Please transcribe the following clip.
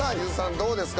どうですか？